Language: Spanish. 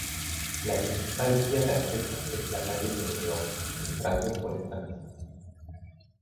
La principal vía de acceso es la calle Nuevo León, entrando por esta misma.